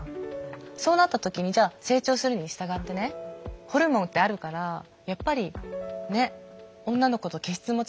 そうなった時にじゃあ成長するに従ってねホルモンってあるからやっぱりね女の子と毛質も違